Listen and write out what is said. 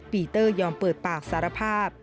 ปีเตอร์ยอมเปิดปากสารภาพ